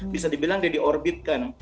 bisa dibilang dia diorbitkan